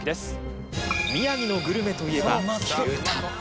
宮城のグルメといえば牛タン。